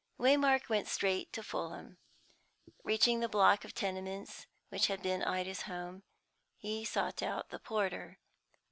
Waymark went straight to Fulham. Reaching the block of tenements which had been Ida's home, he sought out the porter.